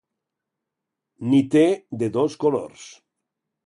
N'hi té de tots colors.